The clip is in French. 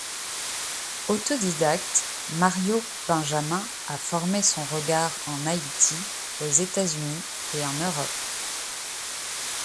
Autodidacte, Mario Benjamin a formé son regard en Haïti, aux États-Unis et en Europe.